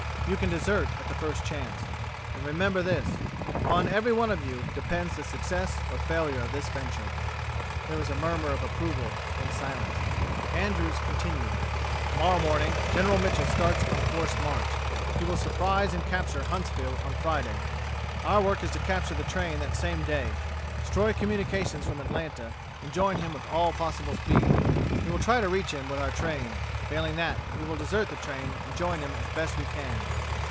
You can desert at the first chance. And remember this: upon every one of you depends the success or failure of this venture." There was a murmer of approval, then silence. Andrews continued: "Tomorrow morning General Mitchel starts on a forced march. He will surprise and capture Huntsville on Friday. Our work is to capture the train that same day, destroy communications from Atlanta and join him with all possible speed. We will try to reach him with our train. Failing that, we will desert the train and join him as best we can."